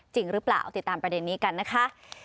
จริงหรือเปล่าเอาติดตามประเด็นนี้กันนะคะ